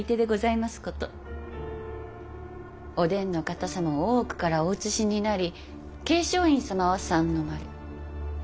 お伝の方様を大奥からお移しになり桂昌院様は三の丸。